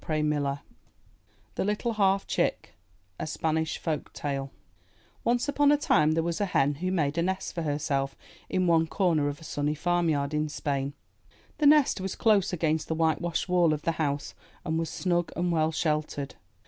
303 MY BOOK HOUSE LITTLE HALF CHICK A Spanish Folk Tale Once upon a time there was a Hen who made a nest for herself in one corner of a sunny farm yard in Spain. The nest was close against the white washed wall of the house and was snug and well sheltered.